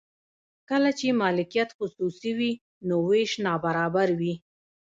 کله چې مالکیت خصوصي وي نو ویش نابرابر وي.